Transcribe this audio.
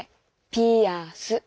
ピアス。